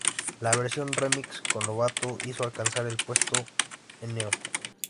La versión remix con Lovato hizo alcanzar el puesto No.